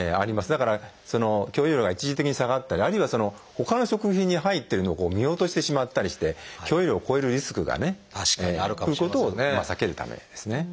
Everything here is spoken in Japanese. だから許容量が一時的に下がったりあるいはほかの食品に入ってるのを見落としてしまったりして許容量を超えるリスクがねということを避けるためですね。